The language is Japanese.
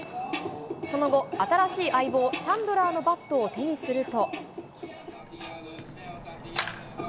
その後、新しい相棒、チャンドラーのバットを手にすると。